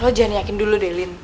lo jangan yakin dulu deh lin